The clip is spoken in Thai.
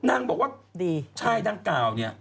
นางบอกว่าดีชายดังกล่าวเนี่ย